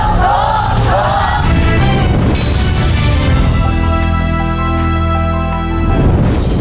ถูกถูกถูกถูกถูกถูกถูก